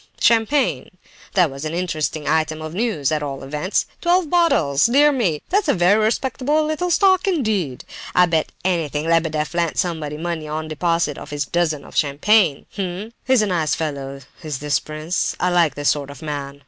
champagne! That was an interesting item of news, at all events!—Twelve bottles! Dear me, that's a very respectable little stock indeed! I bet anything Lebedeff lent somebody money on deposit of this dozen of champagne. Hum! he's a nice fellow, is this prince! I like this sort of man.